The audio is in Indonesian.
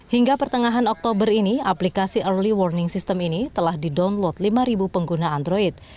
hingga pertengahan oktober ini aplikasi early warning system ini telah di download lima pengguna android